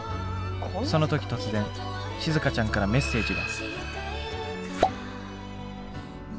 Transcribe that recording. その時突然しずかちゃんからメッセージが。